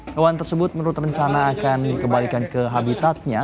hewan tersebut menurut rencana akan dikembalikan ke habitatnya